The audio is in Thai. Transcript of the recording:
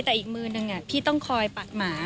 แต่อีกมือนึงพี่ต้องคอยปัดหมา